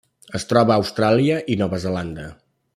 Es troba a Austràlia i Nova Zelanda.